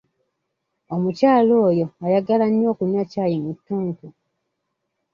Omukyala oyo ayagala nnyo okunywa ccaayi mu tuntu.